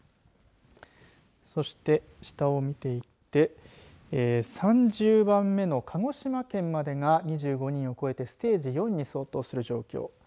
そして下を見ていって３０番目の鹿児島県までが２５人を超えてステージ４に相当する状況。